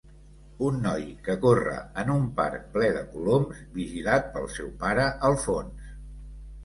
Un noi que corre en un parc ple de coloms, vigilat pel seu pare al fons.